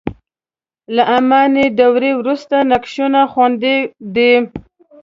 له اماني دورې وروسته نقشونه خوندي دي.